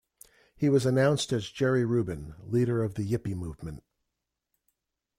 He was announced as Jerry Rubin, Leader of the Yippie Movement.